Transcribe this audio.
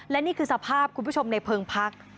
และนี่คือสภาพคุณผู้ชมในเพิงพัก